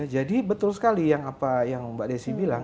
jadi betul sekali yang mbak desy bilang